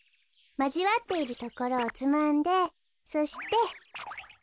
まじわっているところをつまんでそして。